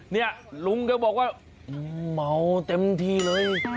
เนี่ยลุงก็บอกว่าเมาเต็มที่เลย